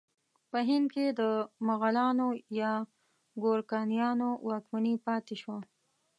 په هند کې د مغلانو یا ګورکانیانو واکمني پاتې شوه.